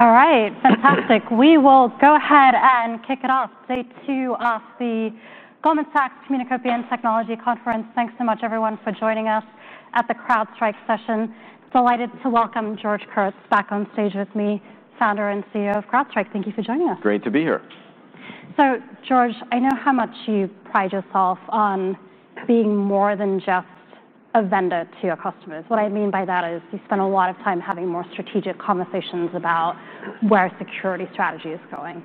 All right, fantastic. We will go ahead and kick it off. Day two of the Goldman Sachs Communications and Technology Conference. Thanks so much, everyone, for joining us at the CrowdStrike session. Delighted to welcome George Kurtz back on stage with me, Founder and CEO of CrowdStrike. Thank you for joining us. Great to be here. George, I know how much you pride yourself on being more than just a vendor to your customers. What I mean by that is you spend a lot of time having more strategic conversations about where a security strategy is going.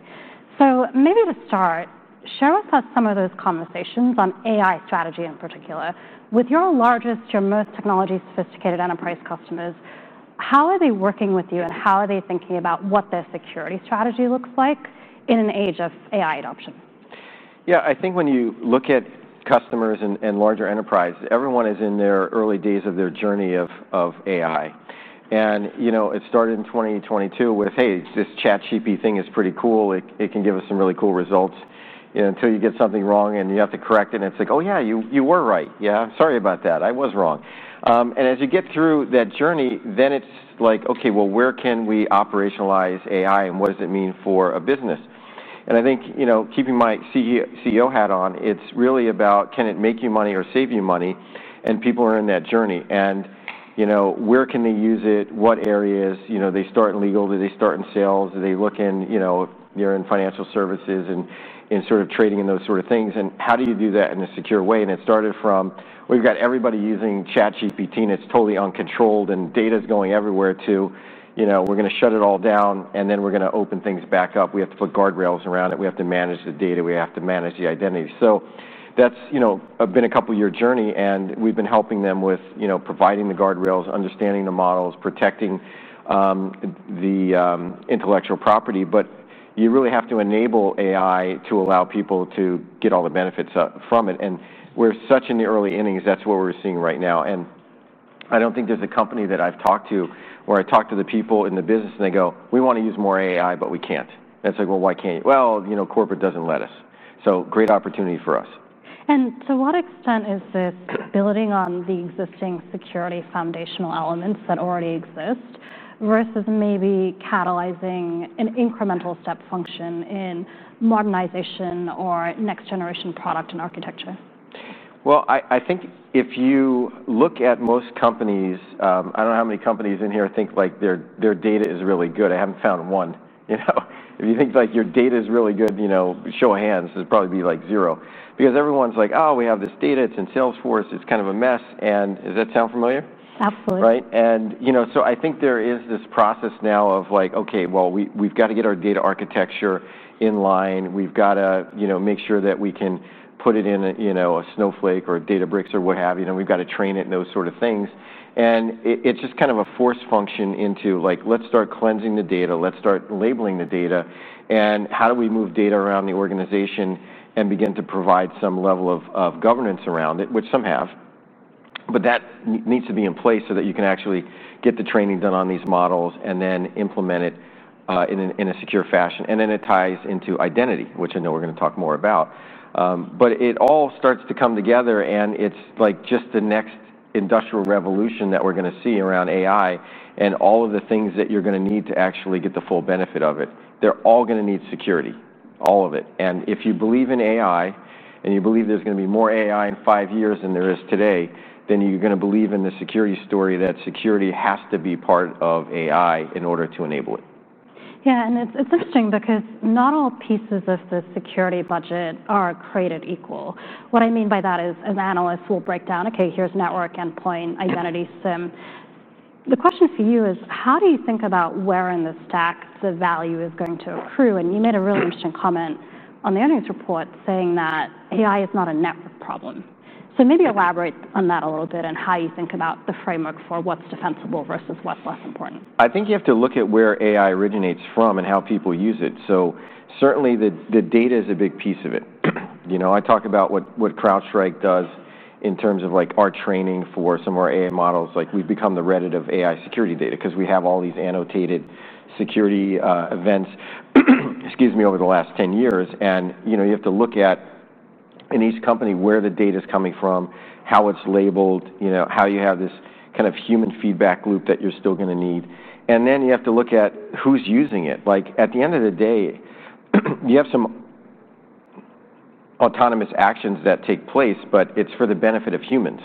Maybe to start, share with us some of those conversations on AI strategy in particular. With your largest, your most technology-sophisticated enterprise customers, how are they working with you and how are they thinking about what their security strategy looks like in an age of AI adoption? Yeah, I think when you look at customers and larger enterprises, everyone is in their early days of their journey of AI. It started in 2022 with, hey, this ChatGPT thing is pretty cool. It can give us some really cool results until you get something wrong and you have to correct it and it's like, oh yeah, you were right. Yeah, sorry about that. I was wrong. As you get through that journey, then it's like, okay, where can we operationalize AI and what does it mean for a business? I think, keeping my CEO hat on, it's really about can it make you money or save you money? People are in that journey. Where can they use it? What areas? They start in legal, do they start in sales? Do they look in, they're in financial services and in sort of trading and those sort of things. How do you do that in a secure way? It started from we've got everybody using ChatGPT and it's totally uncontrolled and data is going everywhere to we're going to shut it all down and then we're going to open things back up. We have to put guardrails around it. We have to manage the data. We have to manage the identity. That's been a couple-year journey and we've been helping them with providing the guardrails, understanding the models, protecting the intellectual property. You really have to enable AI to allow people to get all the benefits from it. We're such in the early innings, that's what we're seeing right now. I don't think there's a company that I've talked to where I talk to the people in the business and they go, we want to use more AI, but we can't. It's like, why can't you? Well, corporate doesn't let us. Great opportunity for us. To what extent is it building on the existing security foundational elements that already exist versus maybe catalyzing an incremental step function in modernization or next-generation product and architecture? If you look at most companies, I don't know how many companies in here think like their data is really good. I haven't found one. If you think like your data is really good, show of hands, it'd probably be like zero because everyone's like, oh, we have this data, it's in Salesforce, it's kind of a mess. Does that sound familiar? Absolutely. Right? I think there is this process now of like, okay, we've got to get our data architecture in line. We've got to make sure that we can put it in, you know, a Snowflake or a Databricks or what have you. We've got to train it and those sort of things. It's just kind of a forced function into like, let's start cleansing the data, let's start labeling the data. How do we move data around the organization and begin to provide some level of governance around it, which some have? That needs to be in place so that you can actually get the training done on these models and then implement it in a secure fashion. It ties into identity, which I know we're going to talk more about. It all starts to come together and it's just the next industrial revolution that we're going to see around AI and all of the things that you're going to need to actually get the full benefit of it. They're all going to need security, all of it. If you believe in AI and you believe there's going to be more AI in five years than there is today, then you're going to believe in the security story that security has to be part of AI in order to enable it. Yeah, and it's interesting because not all pieces of the security budget are created equal. What I mean by that is an analyst will break down, okay, here's network, endpoint, identity, SIEM. The question for you is how do you think about where in the stack the value is going to accrue? You made a really interesting comment on the earnings report saying that AI is not a network problem. Maybe elaborate on that a little bit and how you think about the framework for what's defensible versus what's less important. I think you have to look at where AI originates from and how people use it. Certainly the data is a big piece of it. I talk about what CrowdStrike does in terms of our training for some of our AI models. We've become the Reddit of AI security data because we have all these annotated security events over the last 10 years. You have to look at in each company where the data is coming from, how it's labeled, how you have this kind of human feedback loop that you're still going to need. You have to look at who's using it. At the end of the day, you have some autonomous actions that take place, but it's for the benefit of humans.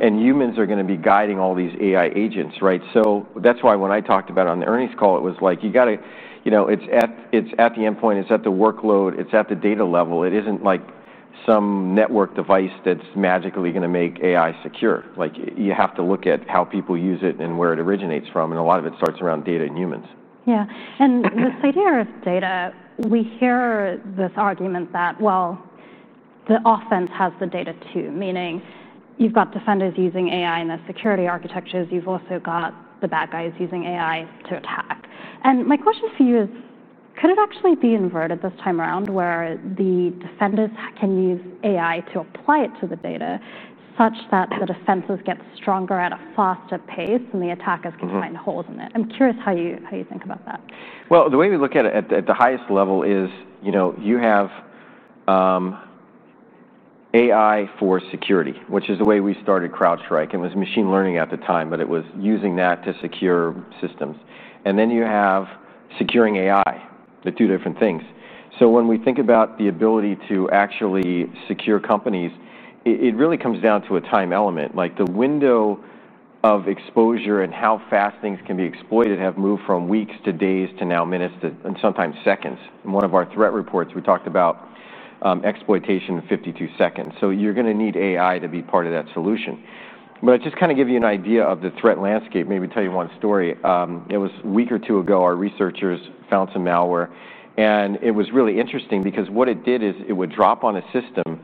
Humans are going to be guiding all these AI agents, right? That's why when I talked about on the earnings call, it was like you got to, you know, it's at the endpoint, it's at the workload, it's at the data level. It isn't like some network device that's magically going to make AI secure. You have to look at how people use it and where it originates from. A lot of it starts around data and humans. In the city of data, we hear this argument that the offense has the data too, meaning you've got defenders using AI in their security architectures. You've also got the bad guys using AI to attack. My question for you is, could it actually be inverted this time around where the defenders can use AI to apply it to the data such that the defenses get stronger at a faster pace and the attackers can find holes in it? I'm curious how you think about that. The way we look at it at the highest level is, you know, you have AI for security, which is the way we started CrowdStrike. It was machine learning at the time, but it was using that to secure systems. You have securing AI, the two different things. When we think about the ability to actually secure companies, it really comes down to a time element. The window of exposure and how fast things can be exploited have moved from weeks to days to now minutes to sometimes seconds. In one of our threat reports, we talked about exploitation of 52 seconds. You're going to need AI to be part of that solution. I just kind of give you an idea of the threat landscape. Maybe tell you one story. A week or two ago, our researchers found some malware. It was really interesting because what it did is it would drop on a system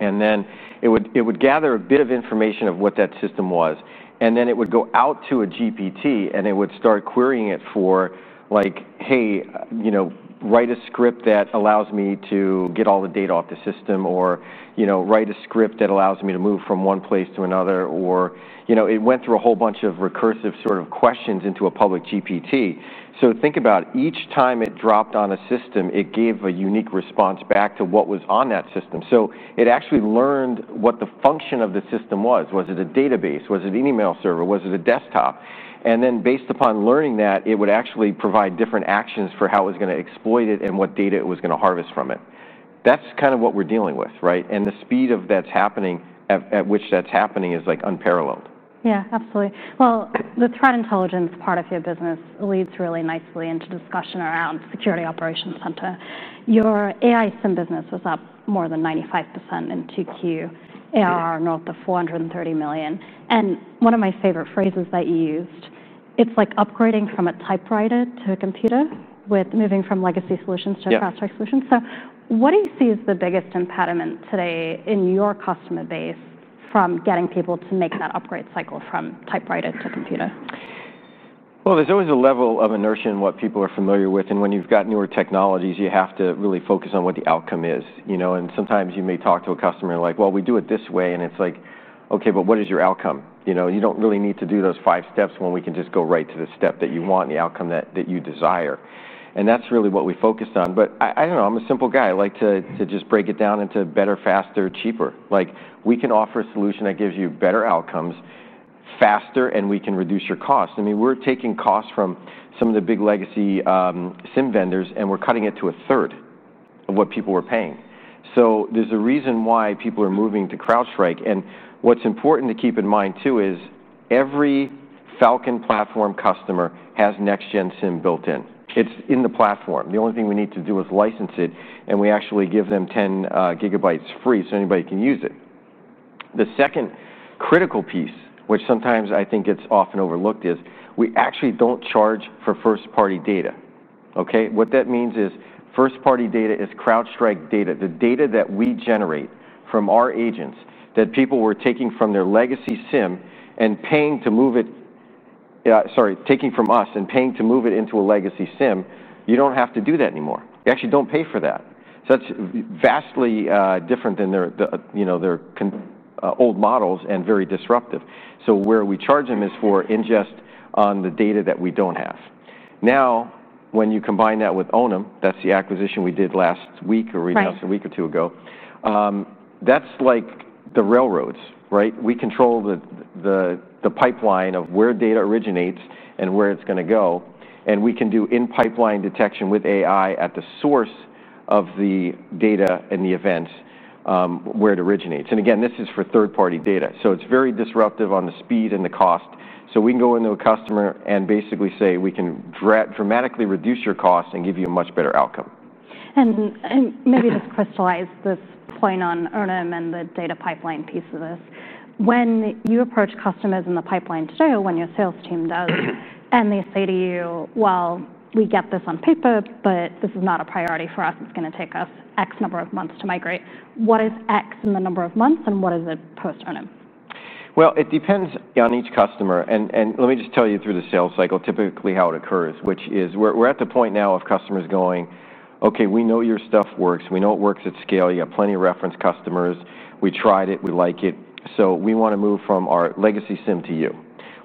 and then it would gather a bit of information of what that system was. It would go out to a GPT and it would start querying it for like, hey, you know, write a script that allows me to get all the data off the system or, you know, write a script that allows me to move from one place to another or, you know, it went through a whole bunch of recursive sort of questions into a public GPT. Think about each time it dropped on a system, it gave a unique response back to what was on that system. It actually learned what the function of the system was. Was it a database? Was it an email server? Was it a desktop? Based upon learning that, it would actually provide different actions for how it was going to exploit it and what data it was going to harvest from it. That's kind of what we're dealing with, right? The speed at which that's happening is like unparalleled. Absolutely. The threat intelligence part of your business leads really nicely into discussion around security operations center. Your AI SIEM business was up more than 95% in Q2, ARR north of $430 million. One of my favorite phrases that you used, it's like upgrading from a typewriter to a computer with moving from legacy solutions to a CrowdStrike solution. What do you see as the biggest impediment today in your customer base from getting people to make that upgrade cycle from typewriter to computer? There is always a level of inertia in what people are familiar with. When you have newer technologies, you have to really focus on what the outcome is. Sometimes you may talk to a customer and they're like, well, we do it this way. It's like, okay, but what is your outcome? You don't really need to do those five steps when we can just go right to the step that you want and the outcome that you desire. That's really what we focus on. I don't know, I'm a simple guy. I like to just break it down into better, faster, cheaper. We can offer a solution that gives you better outcomes faster and we can reduce your costs. I mean, we're taking costs from some of the big legacy SIEM vendors and we're cutting it to a third of what people were paying. There is a reason why people are moving to CrowdStrike. What's important to keep in mind too is every Falcon platform customer has Next-Gen SIEM built in. It's in the platform. The only thing we need to do is license it and we actually give them 10 GB free so anybody can use it. The second critical piece, which sometimes I think gets often overlooked, is we actually don't charge for first-party data. What that means is first-party data is CrowdStrike data, the data that we generate from our agents that people were taking from their legacy SIEM and paying to move it, yeah, sorry, taking from us and paying to move it into a legacy SIEM. You don't have to do that anymore. You actually don't pay for that. That's vastly different than their old models and very disruptive. Where we charge them is for ingest on the data that we don't have. Now, when you combine that with Onum, that's the acquisition we did last week or even a week or two ago, that's like the railroads, right? We control the pipeline of where data originates and where it's going to go. We can do in-pipeline detection with AI at the source of the data and the events, where it originates. Again, this is for third-party data. It's very disruptive on the speed and the cost. We can go into a customer and basically say we can dramatically reduce your cost and give you a much better outcome. Maybe just crystallize this point on Onum and the data pipeline piece of this. When you approach customers in the pipeline today, or when your sales team does, and they say to you, we get this on paper, but this is not a priority for us. It's going to take us X number of months to migrate. What is X in the number of months and what is it post-Onum? It depends on each customer. Let me just tell you through the sales cycle typically how it occurs, which is we're at the point now of customers going, okay, we know your stuff works. We know it works at scale. You have plenty of reference customers. We tried it. We like it. We want to move from our legacy SIEM to you,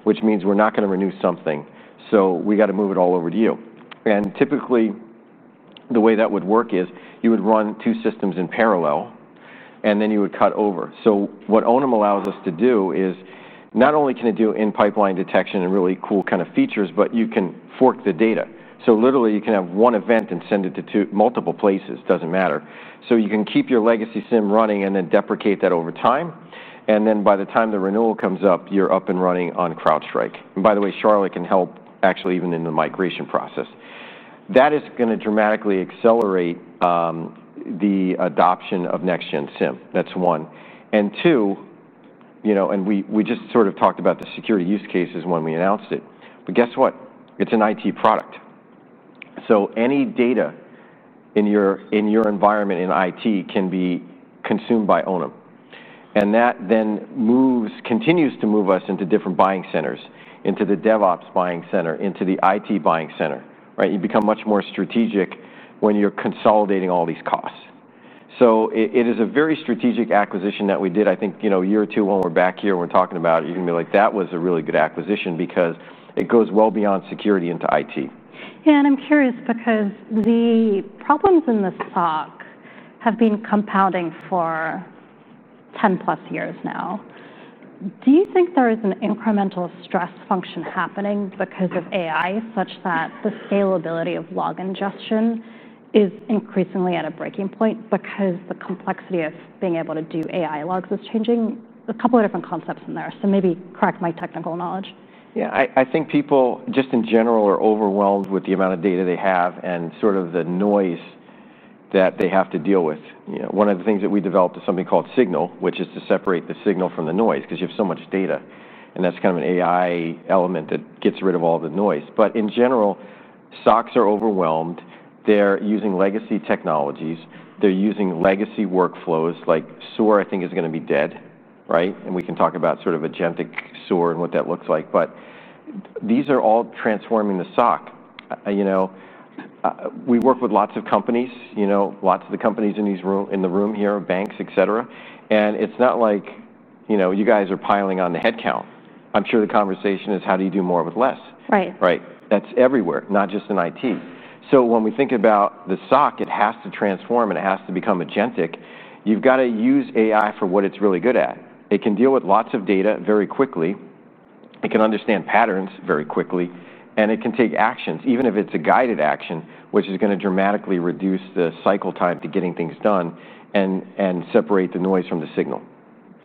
which means we're not going to renew something. We got to move it all over to you. Typically, the way that would work is you would run two systems in parallel and then you would cut over. What Onum allows us to do is not only can it do in-pipeline detection and really cool kind of features, but you can fork the data. Literally, you can have one event and send it to multiple places. It doesn't matter. You can keep your legacy SIEM running and then deprecate that over time. By the time the renewal comes up, you're up and running on CrowdStrike. By the way, Charlie can help actually even in the migration process. That is going to dramatically accelerate the adoption of Next-Gen SIEM. That's one. We just sort of talked about the security use cases when we announced it. Guess what? It's an IT product. Any data in your environment in IT can be consumed by Onum. That then moves, continues to move us into different buying centers, into the DevOps buying center, into the IT buying center. You become much more strategic when you're consolidating all these costs. It is a very strategic acquisition that we did. I think, you know, a year or two when we're back here, we're talking about it. You can be like, that was a really good acquisition because it goes well beyond security into IT. Yeah, I'm curious because the problems in the SOC have been compounding for 10+ years now. Do you think there is an incremental stress function happening because of AI such that the scalability of log ingestion is increasingly at a breaking point because the complexity of being able to do AI logs is changing? A couple of different concepts in there. Maybe correct my technical knowledge. Yeah, I think people just in general are overwhelmed with the amount of data they have and sort of the noise that they have to deal with. One of the things that we developed is something called Signal, which is to separate the signal from the noise because you have so much data. That's kind of an AI element that gets rid of all the noise. In general, SOCs are overwhelmed. They're using legacy technologies. They're using legacy workflows like SOAR. I think SOAR is going to be dead, right? We can talk about sort of agentic SOAR and what that looks like. These are all transforming the SOC. We work with lots of companies, lots of the companies in the room here, banks, etc. It's not like you guys are piling on the headcount. I'm sure the conversation is how do you do more with less? Right. Right. That's everywhere, not just in IT. When we think about the SOC, it has to transform and it has to become agentic. You've got to use AI for what it's really good at. It can deal with lots of data very quickly, understand patterns very quickly, and it can take actions, even if it's a guided action, which is going to dramatically reduce the cycle time to getting things done and separate the noise from the signal.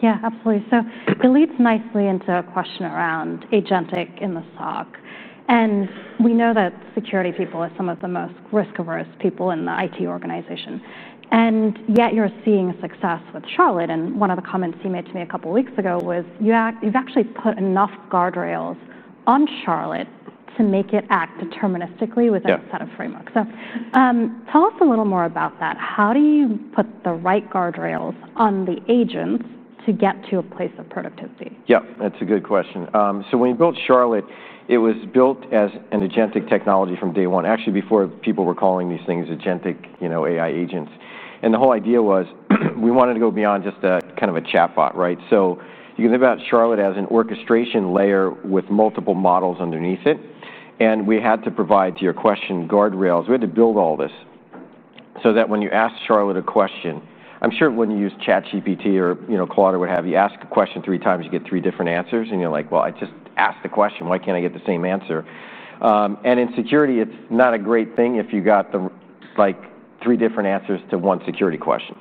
Yeah, absolutely. It leads nicely into a question around agentic in the SOC. We know that security people are some of the most risk-averse people in the IT organization, yet you're seeing success with Charlotte. One of the comments you made to me a couple of weeks ago was you've actually put enough guardrails on Charlotte to make it act deterministically within a set of frameworks. Tell us a little more about that. How do you put the right guardrails on the agents to get to a place of productivity? Yeah, that's a good question. When we built Charlotte, it was built as an agentic technology from day one, actually before people were calling these things agentic, you know, AI agents. The whole idea was we wanted to go beyond just a kind of a chatbot, right? You can think about Charlotte as an orchestration layer with multiple models underneath it. We had to provide, to your question, guardrails. We had to build all this so that when you ask Charlotte a question, I'm sure when you use ChatGPT or, you know, Claude or what have you, ask a question three times, you get three different answers. You're like, well, I just asked the question. Why can't I get the same answer? In security, it's not a great thing if you get three different answers to one security question.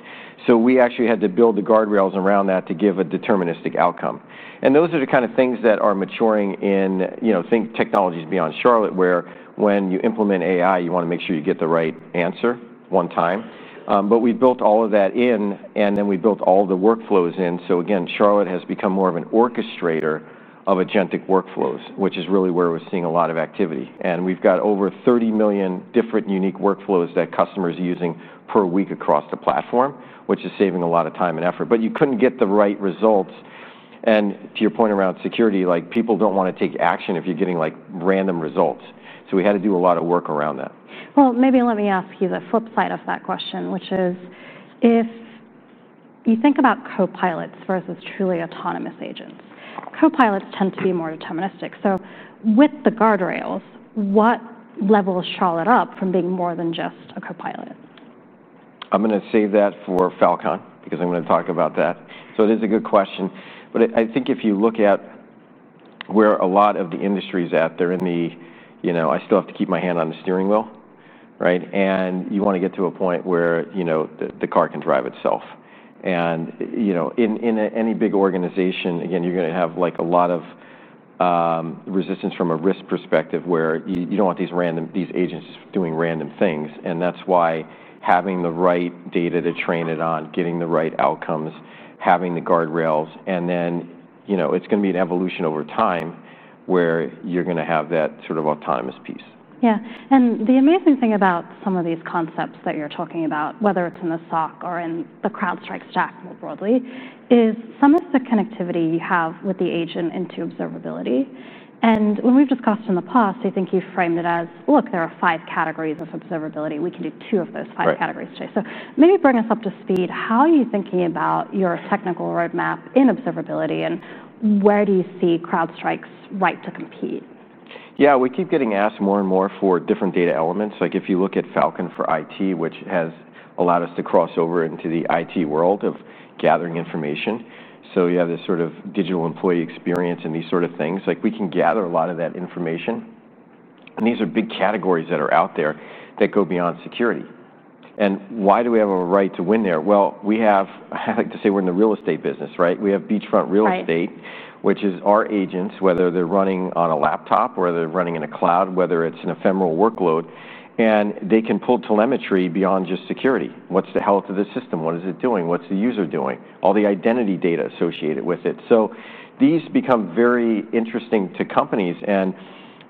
We actually had to build the guardrails around that to give a deterministic outcome. Those are the kind of things that are maturing in, you know, technologies beyond Charlotte, where when you implement AI, you want to make sure you get the right answer one time. We built all of that in, and then we built all the workflows in. Charlotte has become more of an orchestrator of agentic workflows, which is really where we're seeing a lot of activity. We've got over 30 million different unique workflows that customers are using per week across the platform, which is saving a lot of time and effort. You couldn't get the right results. To your point around security, people don't want to take action if you're getting random results. We had to do a lot of work around that. Maybe let me ask you the flip side of that question, which is if you think about copilots versus truly autonomous agents, copilots tend to be more deterministic. With the guardrails, what levels Charlotte up from being more than just a copilot? I'm going to save that for Falcon because I'm going to talk about that. It is a good question. I think if you look at where a lot of the industry is at, they're in the, you know, I still have to keep my hand on the steering wheel, right? You want to get to a point where, you know, the car can drive itself. In any big organization, again, you're going to have a lot of resistance from a risk perspective where you don't want these agents doing random things. That's why having the right data to train it on, getting the right outcomes, having the guardrails, and then, you know, it's going to be an evolution over time where you're going to have that sort of autonomous piece. Yeah, the amazing thing about some of these concepts that you're talking about, whether it's in the SOC or in the CrowdStrike stack more broadly, is some of the connectivity you have with the agent into observability. When we've discussed in the past, I think you framed it as, look, there are five categories of observability. We can do two of those five categories. Maybe bring us up to speed. How are you thinking about your technical roadmap in observability and where do you see CrowdStrike's right to compete? Yeah, we keep getting asked more and more for different data elements. If you look at Falcon for IT, which has allowed us to cross over into the IT world of gathering information, you have this sort of digital employee experience and these sort of things. We can gather a lot of that information. These are big categories that are out there that go beyond security. Why do we have a right to win there? I like to say we're in the real estate business, right? We have beachfront real estate, which is our agents, whether they're running on a laptop or they're running in a cloud, whether it's an ephemeral workload. They can pull telemetry beyond just security. What's the health of the system? What is it doing? What's the user doing? All the identity data associated with it. These become very interesting to companies.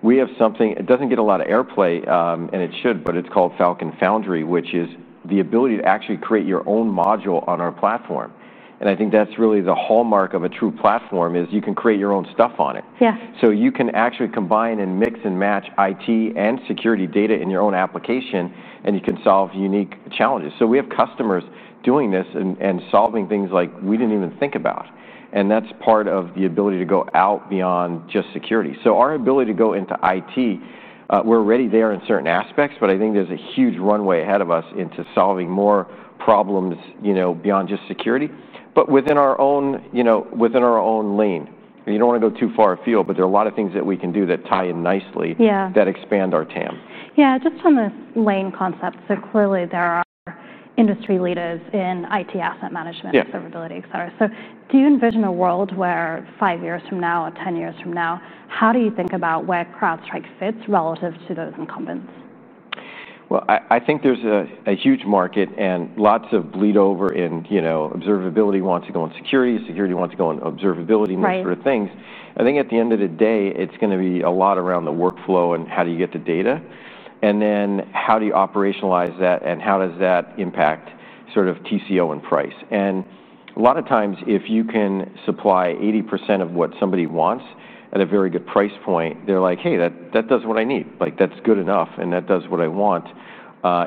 We have something, it doesn't get a lot of airplay, and it should, but it's called Falcon Foundry, which is the ability to actually create your own module on our platform. I think that's really the hallmark of a true platform, you can create your own stuff on it. Yeah. You can actually combine and mix and match IT and security data in your own application, and you can solve unique challenges. We have customers doing this and solving things like we didn't even think about. That's part of the ability to go out beyond just security. Our ability to go into IT, we're already there in certain aspects, but I think there's a huge runway ahead of us into solving more problems, beyond just security, but within our own, you know, within our own lane. You don't want to go too far afield, but there are a lot of things that we can do that tie in nicely, yeah, that expand our TAM. Yeah, just on this lane concept. Clearly there are industry leaders in IT asset management, observability, etc. Do you envision a world where five years from now or ten years from now, how do you think about where CrowdStrike fits relative to those incumbents? I think there's a huge market and lots of bleed over in, you know, observability wants to go in security, security wants to go in observability, and these sort of things. I think at the end of the day, it's going to be a lot around the workflow and how do you get the data, and then how do you operationalize that and how does that impact sort of TCO and price. A lot of times if you can supply 80% of what somebody wants at a very good price point, they're like, hey, that does what I need. Like that's good enough and that does what I want,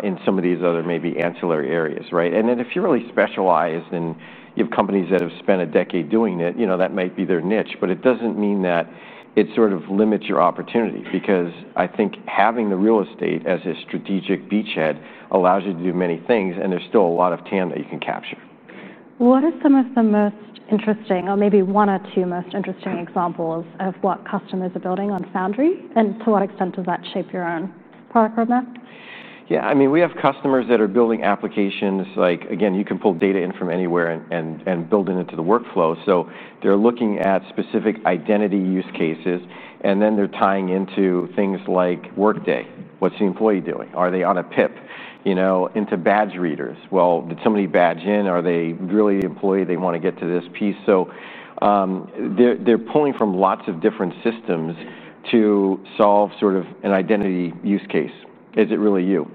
in some of these other maybe ancillary areas, right? If you're really specialized and you have companies that have spent a decade doing it, you know, that might be their niche, but it doesn't mean that it sort of limits your opportunity because I think having the real estate as a strategic beachhead allows you to do many things, and there's still a lot of TAM that you can capture. What are some of the most interesting, or maybe one or two most interesting examples of what customers are building on Foundry, and to what extent does that shape your own product roadmap? Yeah, I mean, we have customers that are building applications like, again, you can pull data in from anywhere and build it into the workflow. They're looking at specific identity use cases, and then they're tying into things like Workday. What's the employee doing? Are they on a PIP, you know, into badge readers? Did somebody badge in? Are they really an employee? They want to get to this piece. They're pulling from lots of different systems to solve sort of an identity use case. Is it really you?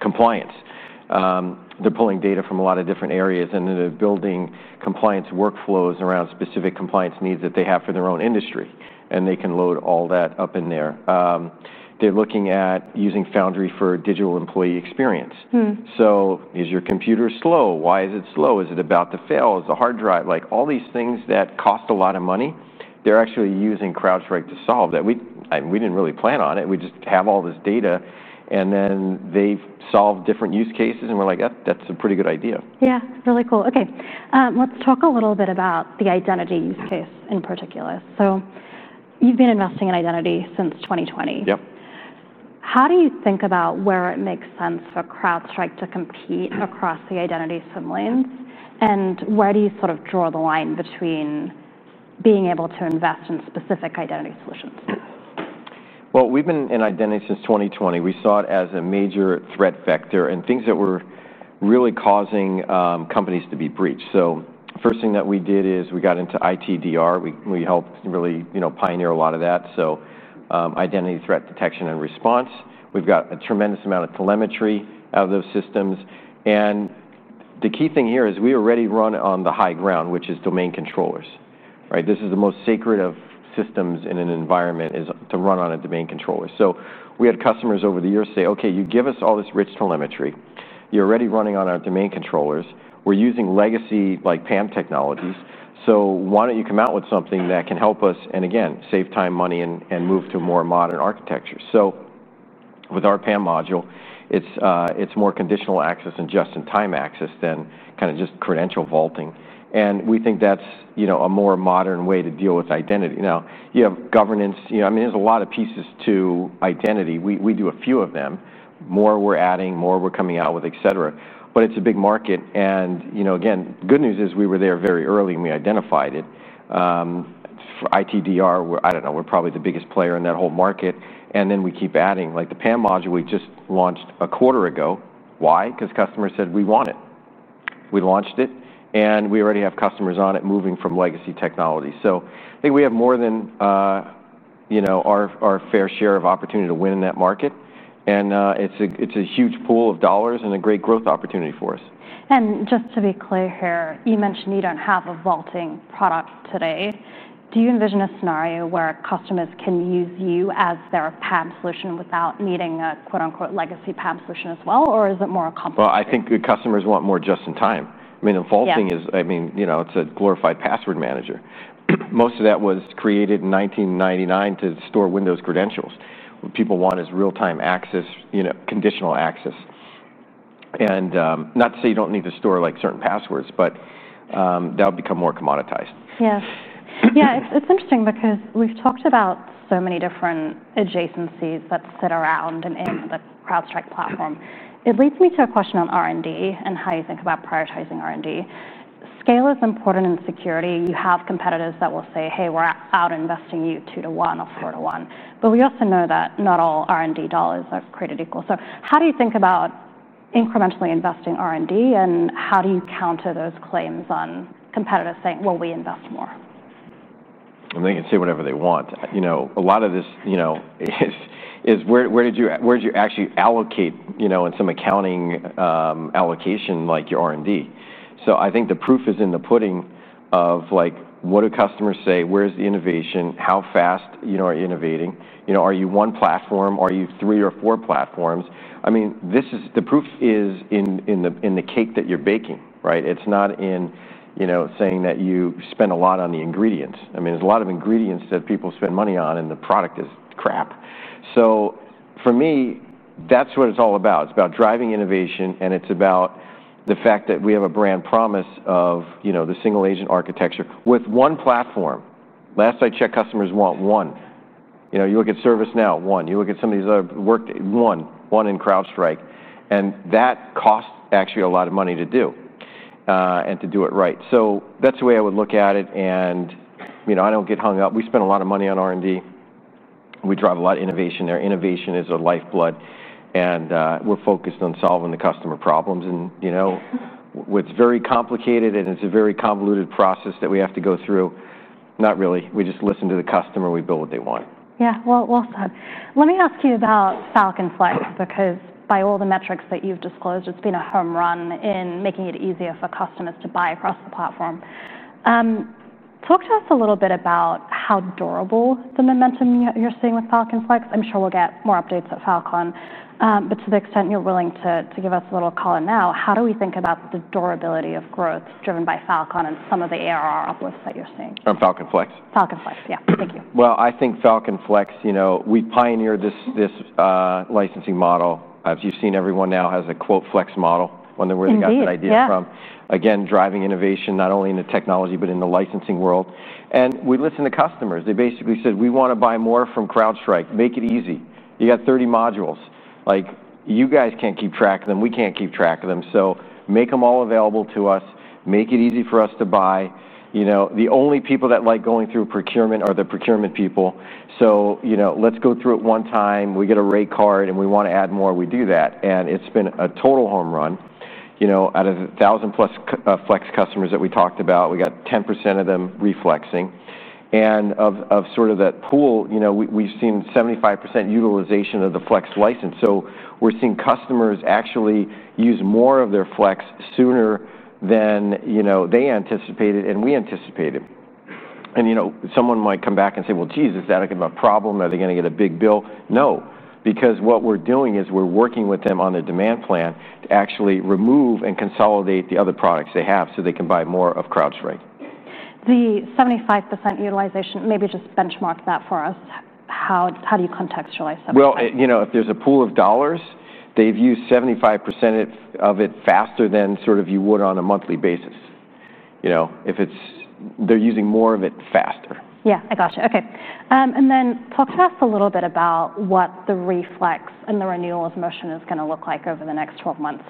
Compliance. They're pulling data from a lot of different areas, and then they're building compliance workflows around specific compliance needs that they have for their own industry, and they can load all that up in there. They're looking at using Foundry for digital employee experience. Is your computer slow? Why is it slow? Is it about to fail? Is the hard drive, like all these things that cost a lot of money, they're actually using CrowdStrike to solve that. We didn't really plan on it. We just have all this data, and then they've solved different use cases, and we're like, that's a pretty good idea. Yeah, really cool. Okay, let's talk a little bit about the identity use case in particular. You've been investing in identity since 2020. Yep. How do you think about where it makes sense for CrowdStrike to compete across the identity swim lanes, and where do you sort of draw the line between being able to invest in specific identity solutions? We've been in identity since 2020. We saw it as a major threat vector and things that were really causing companies to be breached. The first thing that we did is we got into ITDR. We helped really, you know, pioneer a lot of that. Identity threat detection and response. We've got a tremendous amount of telemetry out of those systems. The key thing here is we already run it on the high ground, which is domain controllers. Right? This is the most sacred of systems in an environment, is to run on a domain controller. We had customers over the years say, okay, you give us all this rich telemetry. You're already running on our domain controllers. We're using legacy like PAM technologies. Why don't you come out with something that can help us, and again, save time, money, and move to a more modern architecture? With our PAM module, it's more conditional access and just-in-time access than kind of just credential vaulting. We think that's, you know, a more modern way to deal with identity. Now, you have governance. You know, I mean, there's a lot of pieces to identity. We do a few of them. More we're adding, more we're coming out with, etc. It's a big market. You know, again, the good news is we were there very early and we identified it. ITDR, I don't know, we're probably the biggest player in that whole market. We keep adding, like the PAM module we just launched a quarter ago. Why? Because customers said we want it. We launched it, and we already have customers on it moving from legacy technology. I think we have more than, you know, our fair share of opportunity to win in that market. It's a huge pool of dollars and a great growth opportunity for us. Just to be clear here, you mentioned you don't have a vaulting product today. Do you envision a scenario where customers can use you as their PAM solution without needing a quote unquote legacy PAM solution as well, or is it more a comfort? I think customers want more just-in-time. The vaulting is, you know, it's a glorified password manager. Most of that was created in 1999 to store Windows credentials. What people want is real-time access, you know, conditional access. Not to say you don't need to store like certain passwords, but that would become more commoditized. Yeah, it's interesting because we've talked about so many different adjacencies that sit around and in the CrowdStrike platform. It leads me to a question on R&D and how you think about prioritizing R&D. Scale is important in security. You have competitors that will say, hey, we're out investing you two to one or four to one. We also know that not all R&D dollars are created equal. How do you think about incrementally investing R&D and how do you counter those claims on competitors saying, well, we invest more? They can say whatever they want. A lot of this is where did you actually allocate, in some accounting allocation like your R&D? I think the proof is in the pudding of like what do customers say? Where's the innovation? How fast are you innovating? Are you one platform? Are you three or four platforms? This is the proof is in the cake that you're baking, right? It's not in saying that you spend a lot on the ingredients. There are a lot of ingredients that people spend money on and the product is crap. For me, that's what it's all about. It's about driving innovation and it's about the fact that we have a brand promise of the single agent architecture with one platform. Last I checked, customers want one. You look at ServiceNow, one. You look at some of these other work, one, one in CrowdStrike. That costs actually a lot of money to do, and to do it right. That's the way I would look at it. I don't get hung up. We spend a lot of money on R&D. We drive a lot of innovation there. Innovation is our lifeblood. We're focused on solving the customer problems. It's very complicated and it's a very convoluted process that we have to go through. Not really. We just listen to the customer. We build what they want. Yeah, well said. Let me ask you about Falcon Flex because by all the metrics that you've disclosed, it's been a home run in making it easier for customers to buy across the platform. Talk to us a little bit about how durable the momentum you're seeing with Falcon Flex. I'm sure we'll get more updates at Falcon, but to the extent you're willing to give us a little color now, how do we think about the durability of growth driven by Falcon and some of the ARR uplifts that you're seeing? Falcon Flex? Falcon Flex, yeah. Thank you. I think Falcon Flex, you know, we pioneered this licensing model. As you've seen, everyone now has a quote flex model, one that we got that idea from. Again, driving innovation not only in the technology, but in the licensing world. We listened to customers. They basically said, we want to buy more from CrowdStrike. Make it easy. You got 30 modules. Like you guys can't keep track of them. We can't keep track of them. Make them all available to us. Make it easy for us to buy. You know, the only people that like going through procurement are the procurement people. Let's go through it one time. We get a rate card and we want to add more. We do that. It's been a total home run. Out of the 1000+ flex customers that we talked about, we got 10% of them reflexing. Of sort of that pool, we've seen 75% utilization of the flex license. We're seeing customers actually use more of their flex sooner than, you know, they anticipated and we anticipated. Someone might come back and say, geez, is that a problem? Are they going to get a big bill? No, because what we're doing is we're working with them on a demand plan to actually remove and consolidate the other products they have so they can buy more of CrowdStrike. The 75% utilization, maybe just benchmark that for us. How do you contextualize that? If there's a pool of dollars, they've used 75% of it faster than you would on a monthly basis. If it's they're using more of it faster. Yeah, I gotcha. Okay. Talk to us a little bit about what the reflex and the renewal of motion is going to look like over the next 12 months.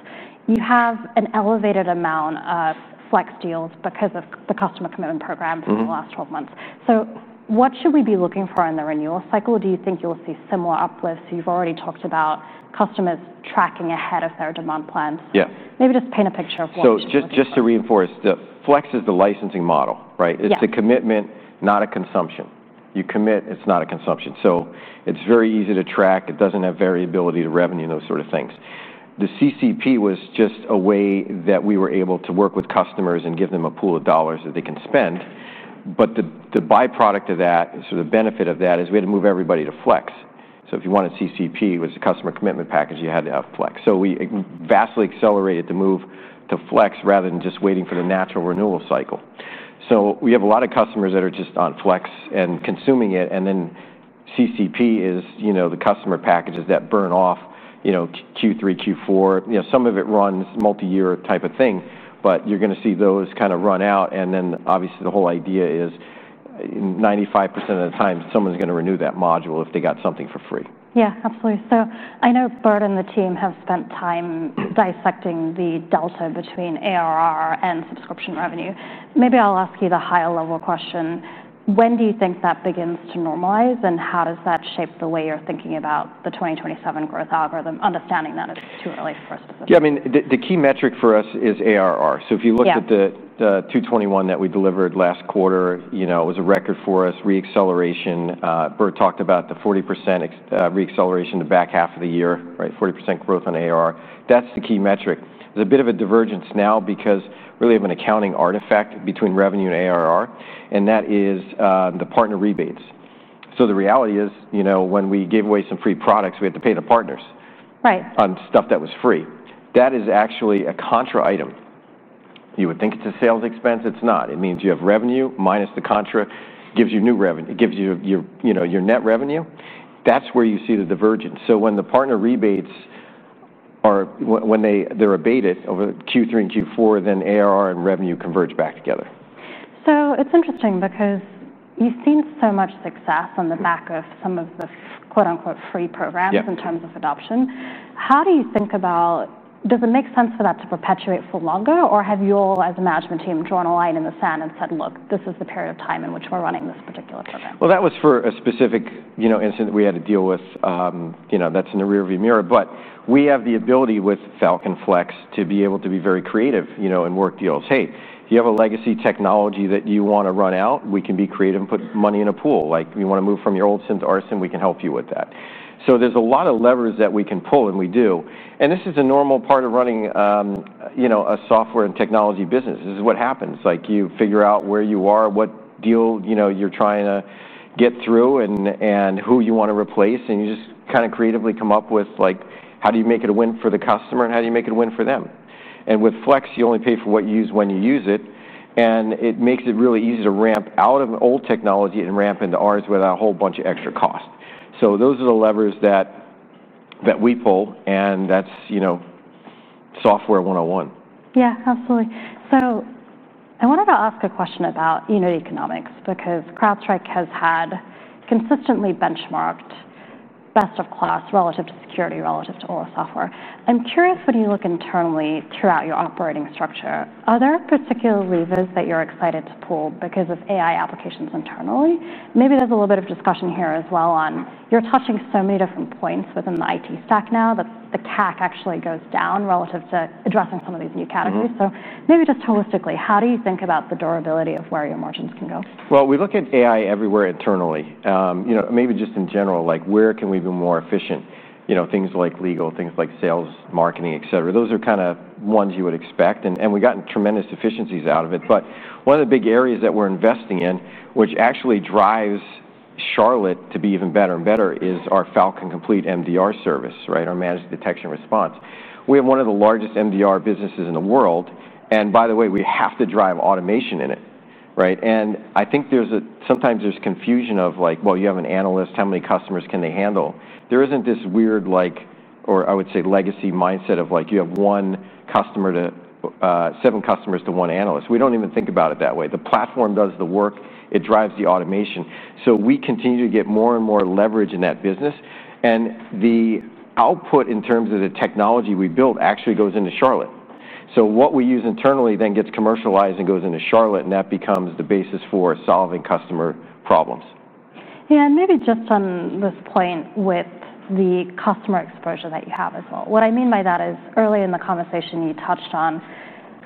You have an elevated amount of Flex deals because of the customer commitment program for the last 12 months. What should we be looking for in the renewal cycle? Do you think you'll see similar uplifts? You've already talked about customers tracking ahead of their demand plans. Yeah. Maybe just paint a picture of what you're seeing. Just to reinforce, the Flex is the licensing model, right? It's a commitment, not a consumption. You commit, it's not a consumption. It's very easy to track. It doesn't have variability to revenue, those sort of things. The CCP was just a way that we were able to work with customers and give them a pool of dollars that they can spend. The byproduct of that, the benefit of that is we had to move everybody to Flex. If you wanted CCP, it was a customer commitment package. You had to have Flex. We vastly accelerated the move to Flex rather than just waiting for the natural renewal cycle. We have a lot of customers that are just on Flex and consuming it. CCP is the customer packages that burn off Q3, Q4. Some of it runs multi-year type of thing, but you're going to see those kind of run out. Obviously, the whole idea is in 95% of the time, someone's going to renew that module if they got something for free. Yeah, absolutely. I know Burt and the team have spent time dissecting the delta between ARR and subscription revenue. Maybe I'll ask you the higher level question. When do you think that begins to normalize, and how does that shape the way you're thinking about the 2027 growth algorithm, understanding that it's too early for us? Yeah, I mean, the key metric for us is ARR. If you looked at the $221 million that we delivered last quarter, it was a record for us. Reacceleration. Burt talked about the 40% reacceleration in the back half of the year, right? 40% growth on ARR. That's the key metric. There's a bit of a divergence now because we really have an accounting artifact between revenue and ARR, and that is the partner rebates. The reality is, when we gave away some free products, we had to pay the partners, right, on stuff that was free. That is actually a contra item. You would think it's a sales expense. It's not. It means you have revenue minus the contra. It gives you new revenue. It gives you your net revenue. That's where you see the divergence. When the partner rebates or when they're abated over Q3 and Q4, then ARR and revenue converge back together. It's interesting because you've seen so much success on the back of some of the "free" programs in terms of adoption. How do you think about, does it make sense for that to perpetuate for longer, or have you all as a management team drawn a line in the sand and said, look, this is the period of time in which we're running this particular program? That was for a specific, you know, incident that we had to deal with. That's in the rearview mirror, but we have the ability with Falcon Flex to be able to be very creative, you know, in work deals. Hey, if you have a legacy technology that you want to run out, we can be creative and put money in a pool. Like you want to move from your old SIEM to our SIEM, we can help you with that. There are a lot of levers that we can pull and we do. This is a normal part of running, you know, a software and technology business. This is what happens. You figure out where you are, what deal, you know, you're trying to get through and who you want to replace. You just kind of creatively come up with like how do you make it a win for the customer and how do you make it a win for them. With Flex, you only pay for what you use when you use it. It makes it really easy to ramp out of an old technology and ramp into ours without a whole bunch of extra cost. Those are the levers that we pull and that's, you know, software 101. Yeah, absolutely. I wanted to ask a question about the economics because CrowdStrike has had consistently benchmarked best of class relative to security, relative to all the software. I'm curious, when you look internally throughout your operating structure, are there particular levers that you're excited to pull because of AI applications internally? Maybe there's a little bit of discussion here as well on you're touching so many different points within the IT stack now that the CAC actually goes down relative to addressing some of these new categories. Maybe just holistically, how do you think about the durability of where your margins can go? We look at AI everywhere internally. You know, maybe just in general, like where can we be more efficient? You know, things like legal, things like sales, marketing, etc. Those are kind of ones you would expect. We've gotten tremendous efficiencies out of it. One of the big areas that we're investing in, which actually drives Charlotte to be even better and better, is our Falcon Complete MDR service, right? Our managed detection and response. We have one of the largest MDR businesses in the world. By the way, we have to drive automation in it, right? I think there's sometimes confusion of like, well, you have an analyst, how many customers can they handle? There is this weird, like, or I would say legacy mindset of like, you have one customer to, seven customers to one analyst. We don't even think about it that way. The platform does the work. It drives the automation. We continue to get more and more leverage in that business. The output in terms of the technology we build actually goes into Charlotte. What we use internally then gets commercialized and goes into Charlotte, and that becomes the basis for solving customer problems. Yeah, maybe just on this point with the customer exposure that you have as well. What I mean by that is earlier in the conversation, you touched on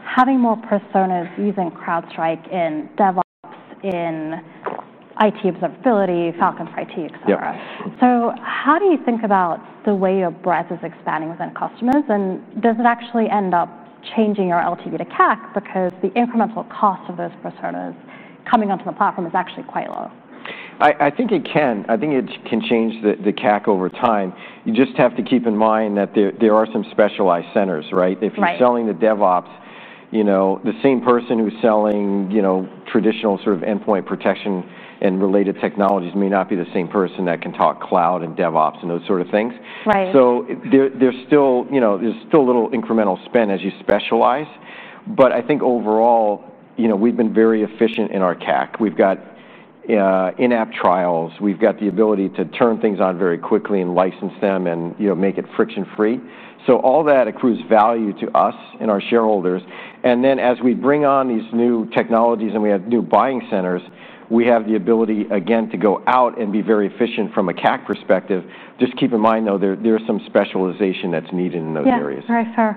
having more personas using CrowdStrike in DevOps, in IT observability, Falcon for IT, etc. How do you think about the way your breadth is expanding within customers? Does it actually end up changing your LTV to CAC? The incremental cost of those personas coming onto the platform is actually quite low. I think it can. I think it can change the CAC over time. You just have to keep in mind that there are some specialized centers, right? If you're selling the DevOps, the same person who's selling traditional sort of endpoint protection and related technologies may not be the same person that can talk cloud and DevOps and those sort of things. Right. There's still a little incremental spend as you specialize. I think overall, we've been very efficient in our CAC. We've got in-app trials. We've got the ability to turn things on very quickly and license them and make it friction-free. All that accrues value to us and our shareholders. As we bring on these new technologies and we have new buying centers, we have the ability, again, to go out and be very efficient from a CAC perspective. Just keep in mind, though, there's some specialization that's needed in those areas. Yeah, right.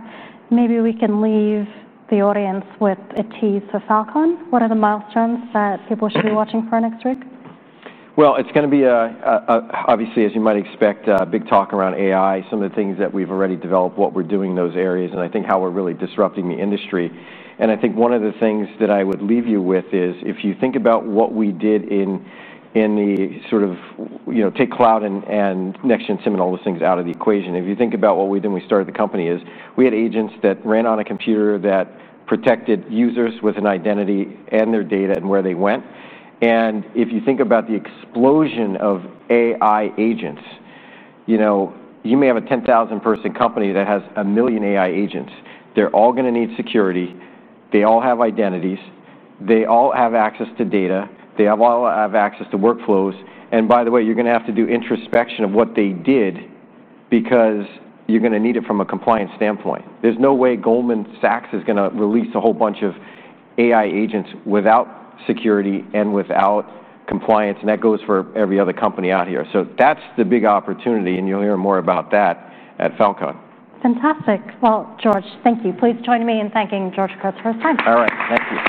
Maybe we can leave the audience with a tease of Falcon. What are the milestones that people should be watching for next week? It is going to be, obviously, as you might expect, a big talk around AI, some of the things that we've already developed, what we're doing in those areas, and I think how we're really disrupting the industry. I think one of the things that I would leave you with is if you think about what we did in the sort of, you know, take cloud and Next-Gen SIEM and all those things out of the equation. If you think about what we did when we started the company, we had agents that ran on a computer that protected users with an identity and their data and where they went. If you think about the explosion of AI agents, you may have a 10,000-person company that has a million AI agents. They're all going to need security. They all have identities. They all have access to data. They all have access to workflows. By the way, you're going to have to do introspection of what they did because you're going to need it from a compliance standpoint. There is no way Goldman Sachs is going to release a whole bunch of AI agents without security and without compliance. That goes for every other company out here. That is the big opportunity. You'll hear more about that at Falcon. Fantastic. George, thank you. Please join me in thanking George Kurtz for his time. All right. Thank you.